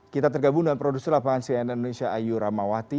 kita tergabung dengan produser lapangan cnn indonesia ayu ramawati